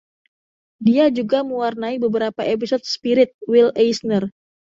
Dia juga mewarnai beberapa episode “Spirit” Will Eisner.